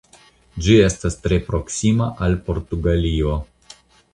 Ĝi estas tre proksima al Portugalio.